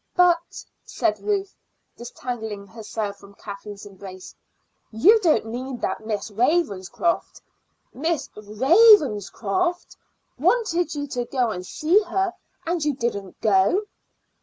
"But," said Ruth, disentangling herself from Kathleen's embrace, "you don't mean that Miss Ravenscroft Miss Ravenscroft wanted you to go and see her and you didn't go?"